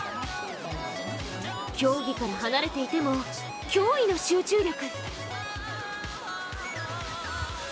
競技から離れていても驚異の集中力。